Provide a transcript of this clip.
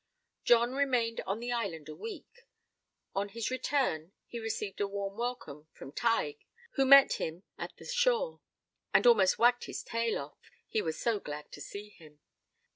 John remained on the island a week. On his return he received a warm welcome from Tige, who met him at the shore, and almost wagged his tail off, he was so glad to see him.